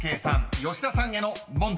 ［吉田さんへの問題］